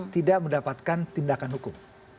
tidak mendapatkan tindakan hukum